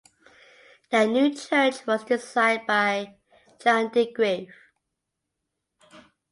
The new church was designed by Jan de Greef.